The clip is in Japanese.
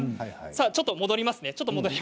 ちょっと戻ります。